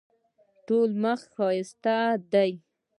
ټوله مخ ښایسته ده.